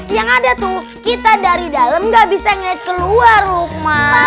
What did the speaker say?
yang ada tuh kita dari dalem ga bisa ngeceluar rukma